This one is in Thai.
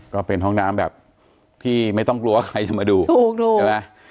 ก็เป็นห้องน้ำแบบที่ไม่ต้องกลัวว่าใครจะมาดูถูกดูใช่ไหม